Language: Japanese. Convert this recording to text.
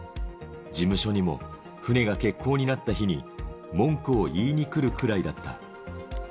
事務所にも船が欠航になった日に、文句を言いにくるくらいだった。